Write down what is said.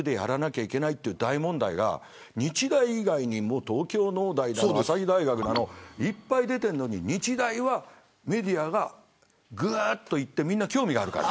どれだけ大麻を含めて駄目なのかもっと教育でやらなきゃいけないという大問題が日大以外に東京農大だの朝日大学だのいっぱい出てるのに日大はメディアが、ぐっと行くみんな興味があるから。